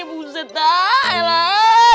buset dah elah